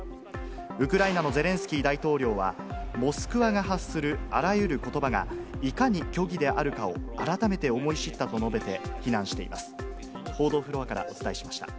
ウクライナのゼレンスキー大統領は、モスクワが発するあらゆることばが、いかに虚偽であるかを改めて思い知ったと述べて、非難しています。